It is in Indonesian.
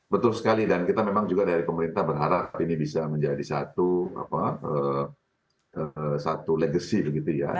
betul sekali dan kita memang juga dari pemerintah berharap ini bisa menjadi satu legacy begitu ya